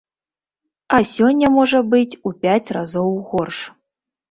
А сёння можа быць у пяць разоў горш.